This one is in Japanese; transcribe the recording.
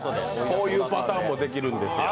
こういうパターンもできるんですよ。